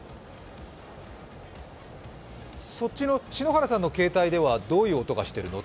そっちの携帯ではどういう音がしているの？